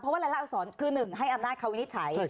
เพราะว่ารายละอักษรคือ๑ให้อำนาจเขาวินิจฉัย